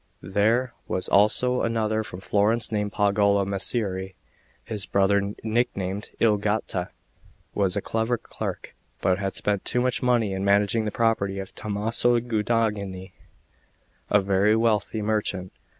There was also another from Florence named Pagolo Micceri; his brother, nicknamed "Il Gatta," was a clever clerk, but had spent too much money in managing the property of Tommaso Guadagni, a very wealthy merchant.